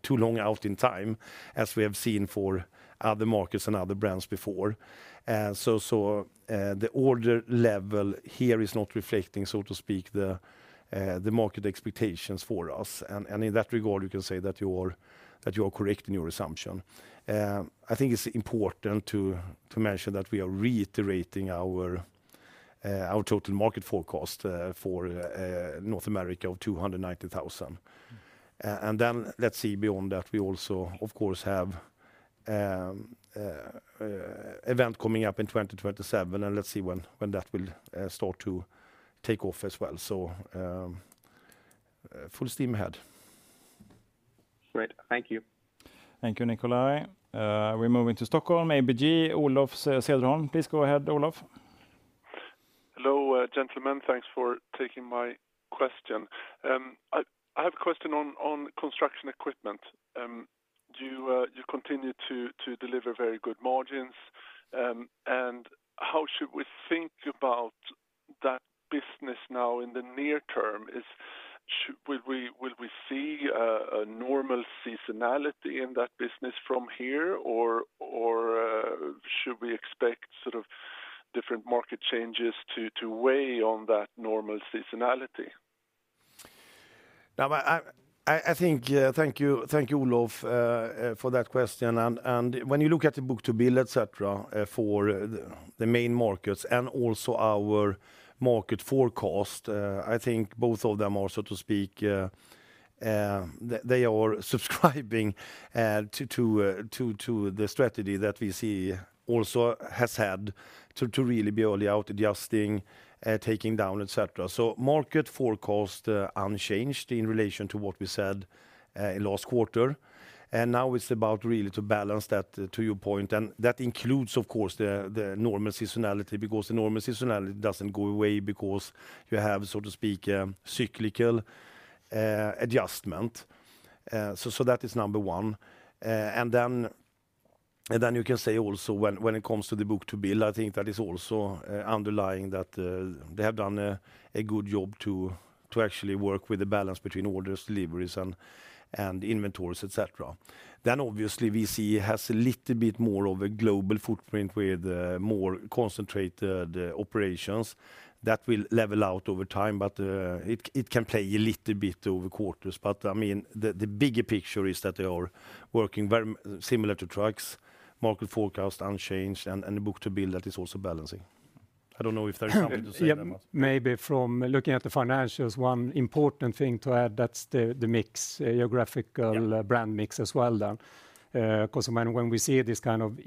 too long out in time as we have seen for other markets and other brands before. So the order level here is not reflecting, so to speak, the market expectations for us. In that regard, you can say that you are correct in your assumption. I think it's important to mention that we are reiterating our total market forecast for North America of 290,000. Then let's see beyond that. We also, of course, have an event coming up in 2027, and let's see when that will start to take off as well. Full steam ahead. Great. Thank you. Thank you, Nicolai. We're moving to Stockholm, ABG, Olof Cederholm. Please go ahead, Olof. Hello, gentlemen. Thanks for taking my question. I have a question on construction equipment. You continue to deliver very good margins. How should we think about that business now in the near term? Will we see a normal seasonality in that business from here, or should we expect sort of different market changes to weigh on that normal seasonality? Now, I think, thank you, Olof, for that question. When you look at the book-to-bill, etc., for the main markets and also our market forecast, I think both of them are, so to speak, they are subscribing to the strategy that we see also has had to really be early out adjusting, taking down, etc. Market forecast unchanged in relation to what we said in last quarter. Now it's about really to balance that, to your point. That includes, of course, the normal seasonality because the normal seasonality doesn't go away because you have, so to speak, a cyclical adjustment. That is number one. Then you can say also when it comes to the book-to-bill, I think that is also underlying that they have done a good job to actually work with the balance between orders, deliveries, and inventories, etc. Then, obviously, VCE has a little bit more of a global footprint with more concentrated operations that will level out over time, but it can play a little bit over quarters. But I mean, the bigger picture is that they are working very similar to trucks, market forecast unchanged, and the Book-to-Bill, that is also balancing. I don't know if there is something to say there, Mats. Maybe from looking at the financials, one important thing to add, that's the mix, geographical brand mix as well then. Because when we see this kind of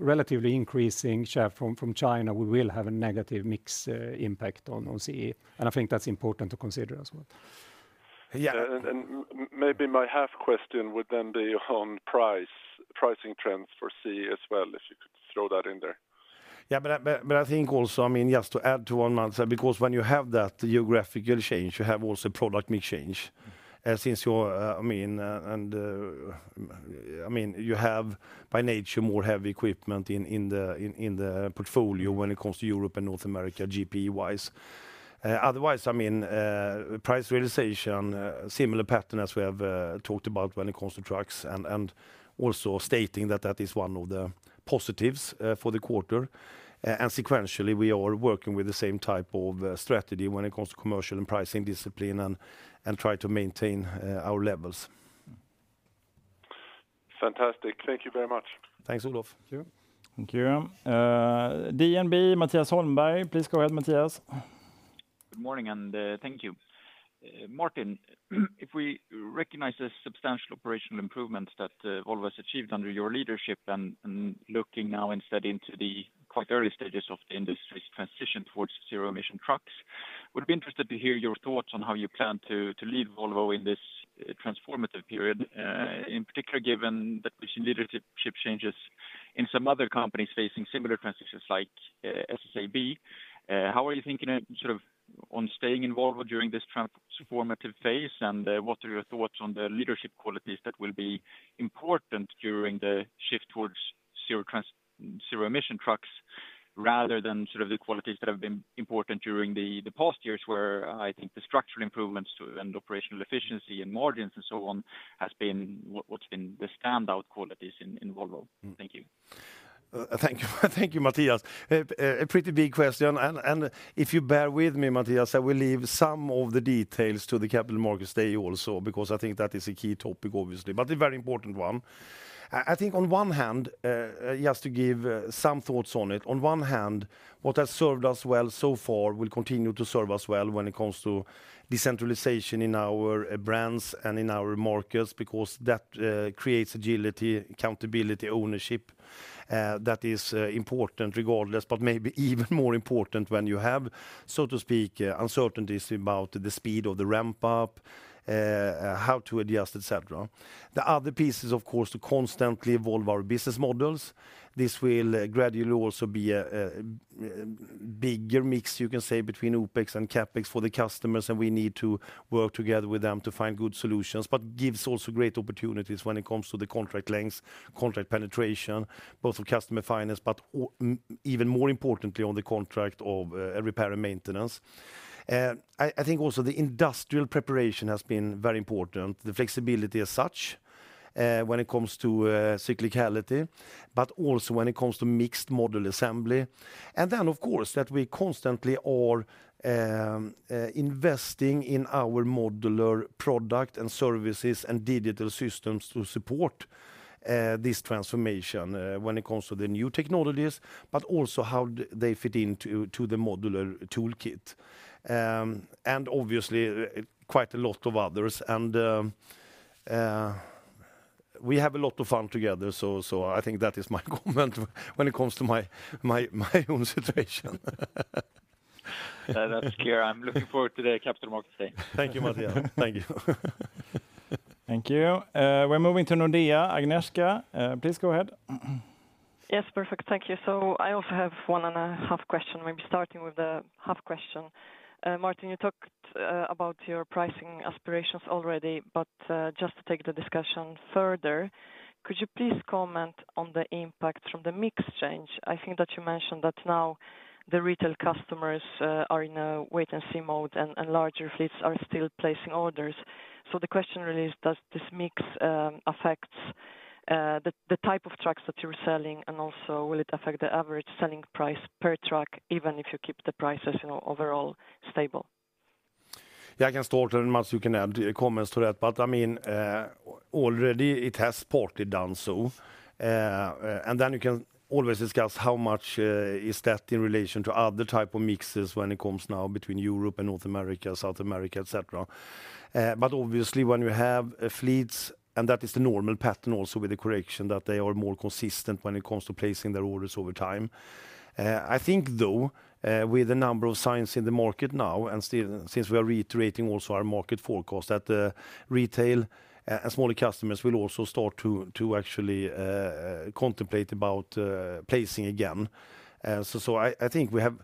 relatively increasing share from China, we will have a negative mix impact on CE. And I think that's important to consider as well. Yeah, and maybe my half question would then be on pricing trends for CE as well, if you could throw that in there. Yeah, but I think also, I mean, just to add to what Mats said, because when you have that geographical change, you have also product mix change. I mean, and I mean, you have by nature more heavy equipment in the portfolio when it comes to Europe and North America GPE-wise. Otherwise, I mean, price realization, similar pattern as we have talked about when it comes to trucks, and also stating that that is one of the positives for the quarter. And sequentially, we are working with the same type of strategy when it comes to commercial and pricing discipline and try to maintain our levels. Fantastic. Thank you very much. Thanks, Olof. Thank you. Thank you. DNB, Mattias Holmberg. Please go ahead, Mattias. Good morning, and thank you. Martin, if we recognize the substantial operational improvements that Volvo has achieved under your leadership and looking now instead into the quite early stages of the industry's transition towards zero-emission trucks, we'd be interested to hear your thoughts on how you plan to lead Volvo in this transformative period, in particular, given that we've seen leadership changes in some other companies facing similar transitions like SSAB. How are you thinking sort of on staying involved during this transformative phase, and what are your thoughts on the leadership qualities that will be important during the shift towards zero-emission trucks rather than sort of the qualities that have been important during the past years where I think the structural improvements and operational efficiency and margins and so on has been what's been the standout qualities in Volvo? Thank you. Thank you, Mattias. A pretty big question. And if you bear with me, Mattias, I will leave some of the details to the Capital Markets Day also because I think that is a key topic, obviously, but a very important one. I think on one hand, just to give some thoughts on it, on one hand, what has served us well so far will continue to serve us well when it comes to decentralization in our brands and in our markets because that creates agility, accountability, ownership that is important regardless. But maybe even more important when you have, so to speak, uncertainties about the speed of the ramp-up, how to adjust, etc. The other piece is, of course, to constantly evolve our business models. This will gradually also be a bigger mix, you can say, between OpEx and CapEx for the customers, and we need to work together with them to find good solutions, but gives also great opportunities when it comes to the contract lengths, contract penetration, both of customer finance, but even more importantly, on the contract of repair and maintenance. I think also the industrial preparation has been very important, the flexibility as such when it comes to cyclicality, but also when it comes to mixed model assembly. And then, of course, that we constantly are investing in our modular product and services and digital systems to support this transformation when it comes to the new technologies, but also how they fit into the modular toolkit. And obviously, quite a lot of others. We have a lot of fun together, so I think that is my comment when it comes to my own situation. That's clear. I'm looking forward to the Capital Markets Day. Thank you, Mattias. Thank you. Thank you. We're moving to Nordea, Agnieszka. Please go ahead. Yes, perfect. Thank you. So I also have one and a half questions, maybe starting with the half question. Martin, you talked about your pricing aspirations already, but just to take the discussion further, could you please comment on the impact from the mix change? I think that you mentioned that now the retail customers are in a wait-and-see mode, and larger fleets are still placing orders. So the question really is, does this mix affect the type of trucks that you're selling, and also will it affect the average selling price per truck, even if you keep the prices overall stable? Yeah, I can start there, Mats. You can add comments to that. But I mean, already it has partly done so. And then you can always discuss how much is that in relation to other types of mixes when it comes now between Europe and North America, South America, etc. But obviously, when you have fleets, and that is the normal pattern also with the correction that they are more consistent when it comes to placing their orders over time. I think, though, with the number of signs in the market now, and since we are reiterating also our market forecast, that retail and smaller customers will also start to actually contemplate about placing again. So I think we have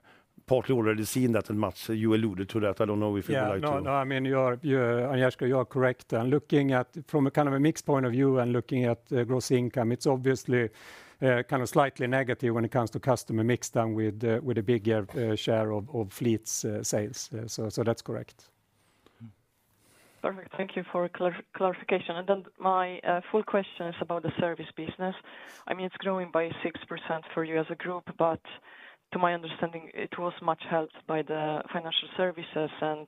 partly already seen that, and Mats, you alluded to that. I don't know if you would like to. Yeah. No, I mean, Agnieszka, you are correct. Looking at from a kind of a mixed point of view and looking at gross income, it's obviously kind of slightly negative when it comes to customer mix done with a bigger share of fleet sales. So that's correct. Perfect. Thank you for clarification. And then my full question is about the service business. I mean, it's growing by 6% for you as a group, but to my understanding, it was much helped by the financial services, and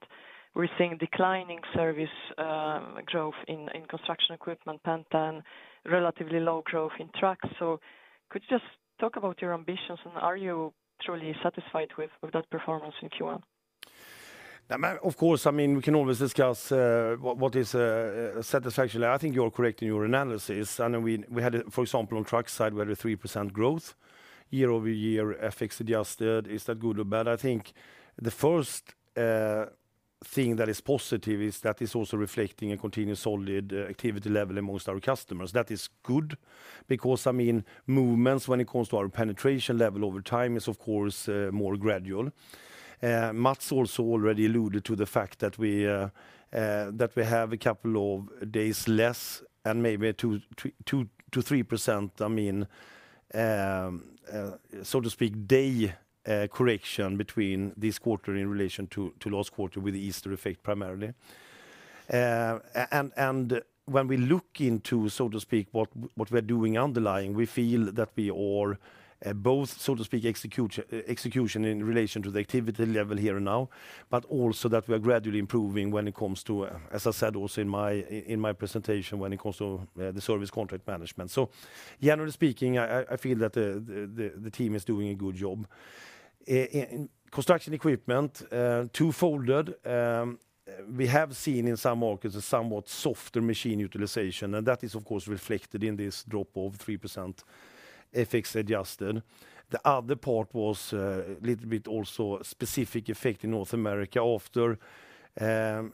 we're seeing declining service growth in construction equipment, Penta, relatively low growth in trucks. So could you just talk about your ambitions, and are you truly satisfied with that performance in first quarter? Now, of course, I mean, we can always discuss what is satisfactory there. I think you are correct in your analysis. I mean, we had, for example, on the truck side, we had a 3% growth year-over-year, FX adjusted. Is that good or bad? I think the first thing that is positive is that is also reflecting a continuous solid activity level amongst our customers. That is good because, I mean, movements when it comes to our penetration level over time is, of course, more gradual. Mats also already alluded to the fact that we have a couple of days less and maybe a 2% to 3%, I mean, so to speak, day correction between this quarter in relation to last quarter with the Easter effect primarily. When we look into, so to speak, what we are doing underlying, we feel that we are both, so to speak, execution in relation to the activity level here and now, but also that we are gradually improving when it comes to, as I said also in my presentation, when it comes to the service contract management. So generally speaking, I feel that the team is doing a good job. Construction equipment, twofold, we have seen in some markets a somewhat softer machine utilization, and that is, of course, reflected in this drop of 3% FX adjusted. The other part was a little bit also specific effect in North America. After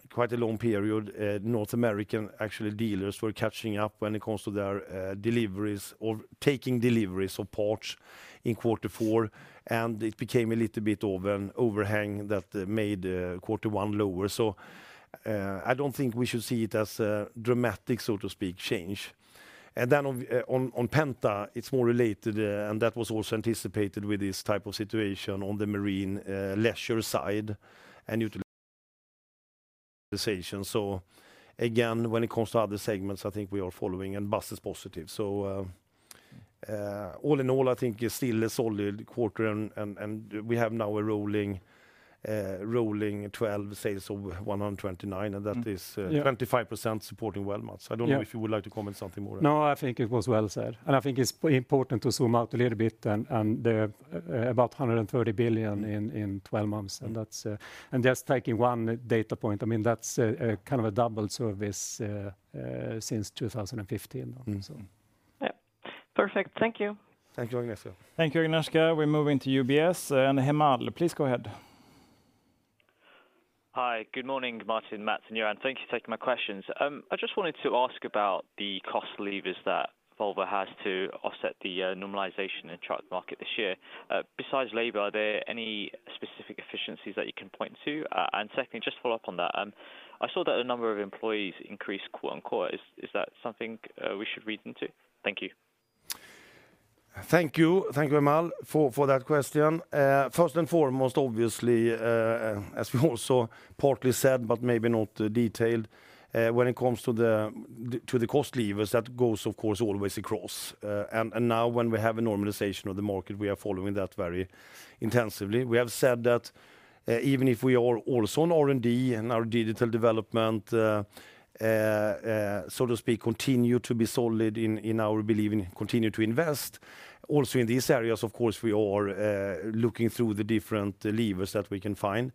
quite a long period, North America, actually, dealers were catching up when it comes to their deliveries or taking deliveries of parts in fourth quarter, and it became a little bit of an overhang that made first quarter lower. So I don't think we should see it as a dramatic, so to speak, change. And then on Penta, it's more related, and that was also anticipated with this type of situation on the marine leisure side and utilization. So again, when it comes to other segments, I think we are following, and Mats is positive. So all in all, I think it's still a solid quarter, and we have now a rolling 12 sales of 129, and that is 25% supporting, well, Mats. I don't know if you would like to comment something more on that. No, I think it was well said. I think it's important to zoom out a little bit, and about 130 billion in 12 months. Just taking one data point, I mean, that's kind of a double service since 2015, so. Yeah. Perfect. Thank you. Thank you, Agnieszka. Thank you, Agnieszka. We're moving to UBS. Hemal, please go ahead. Hi. Good morning, Martin, Mats, and Johan. Thank you for taking my questions. I just wanted to ask about the cost levers that Volvo has to offset the normalization in the truck market this year. Besides labor, are there any specific efficiencies that you can point to? And secondly, just follow up on that. I saw that a number of employees increased, quote-unquote. Is that something we should read into? Thank you. Thank you. Thank you, Hemal, for that question. First and foremost, obviously, as we also partly said but maybe not detailed, when it comes to the cost levers, that goes, of course, always across. And now when we have a normalization of the market, we are following that very intensively. We have said that even if we are also on R&D and our digital development, so to speak, continue to be solid in our belief in continuing to invest. Also in these areas, of course, we are looking through the different levers that we can find.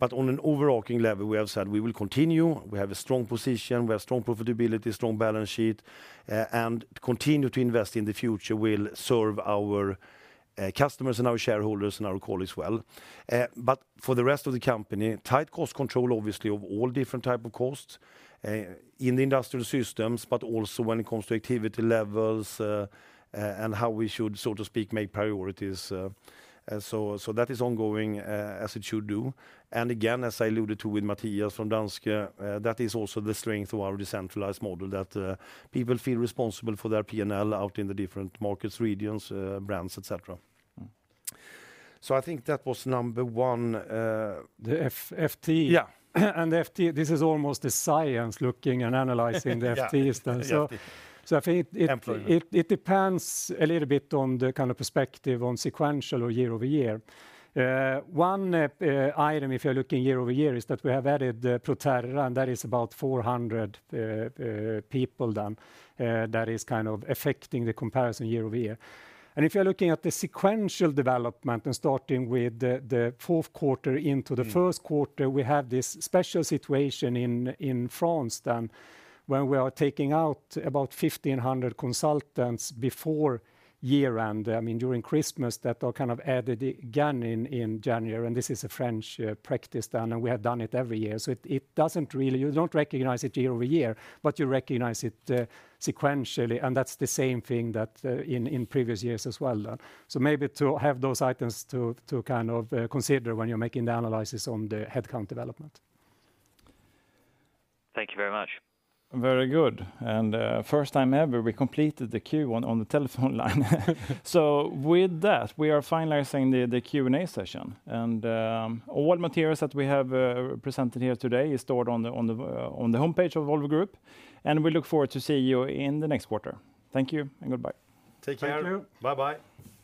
But on an overarching level, we have said we will continue. We have a strong position. We have strong profitability, strong balance sheet. And continuing to invest in the future will serve our customers and our shareholders and our colleagues well. But for the rest of the company, tight cost control, obviously, of all different types of costs in the industrial systems, but also when it comes to activity levels and how we should, so to speak, make priorities. So that is ongoing as it should do. And again, as I alluded to with Mattias from Danske, that is also the strength of our decentralized model that people feel responsible for their P&L out in the different markets, regions, brands, etc. So I think that was number 1. The FTE. And this is almost the science looking and analyzing the FTEs, then. So I think it depends a little bit on the kind of perspective on sequential or year-over-year. One item, if you are looking year-over-year, is that we have added Proterra, and that is about 400 people then that is kind of affecting the comparison year-over-year. And if you are looking at the sequential development and starting with the fourth quarter into the first quarter, we have this special situation in France then when we are taking out about 1,500 consultants before year-end, I mean, during Christmas, that are kind of added again in January. And this is a French practice then, and we have done it every year. So, it doesn't really—you don't recognize it year-over-year, but you recognize it sequentially, and that's the same thing that in previous years as well then. So maybe to have those items to kind of consider when you're making the analysis on the headcount development. Thank you very much. Very good. First time ever, we completed the queue on the telephone line. With that, we are finalizing the Q&A session. All materials that we have presented here today are stored on the homepage of Volvo Group, and we look forward to seeing you in the next quarter. Thank you and goodbye. Take care. Thank you. Bye-bye.